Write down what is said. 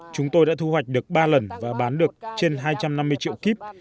chúng tôi đã thu hoạch được ba lần và bán được trên hai trăm năm mươi triệu kíp